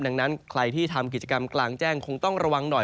ดังนั้นใครที่ทำกิจกรรมกลางแจ้งคงต้องระวังหน่อย